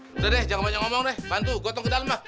udah deh jangan banyak ngomong deh bantu gotong ke dalam mah